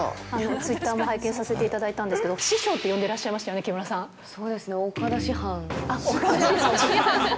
ツイッターも拝見させていただいたんですけど、師匠って呼んでらっしゃいましたよね、木村さそうですね、岡田師範。